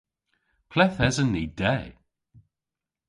Ple'th esen ni de?